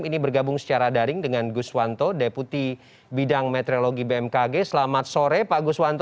ini bergabung secara daring dengan gus wanto deputi bidang meteorologi bmkg selamat sore pak gus wanto